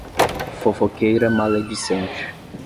Fofoqueira maledicente